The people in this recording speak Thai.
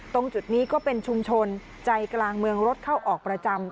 ตรงจุดนี้ก็เป็นชุมชนใจกลางเมืองรถเข้าออกประจำ